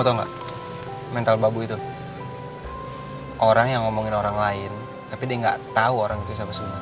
tahu nggak mental babu itu orang yang ngomongin orang lain tapi dia enggak tahu orang itu sebab